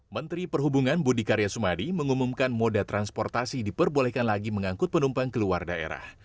menteri perhubungan budi karya sumadi mengumumkan moda transportasi diperbolehkan lagi mengangkut penumpang ke luar daerah